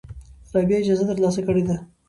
رابعه اجازه ترلاسه کړې ده.